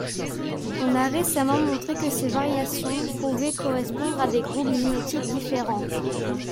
On a récemment montré que ces variations pouvaient correspondre à des groupes génétiques différents.